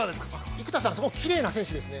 ◆生田さんはすごくきれいな戦士ですね。